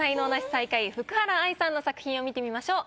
最下位福原愛さんの作品を見てみましょう。